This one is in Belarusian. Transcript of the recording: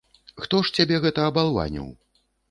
Хто ж цябе гэта абалваніў?